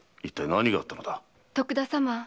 徳田様。